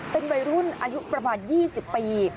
เป็นวัยรุ่นอายุประมาณ๒๐ปี